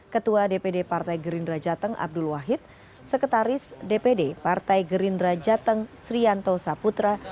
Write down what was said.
ketua dpd partai gerindra jateng abdul wahid sekretaris dpd partai gerindra jateng srianto saputra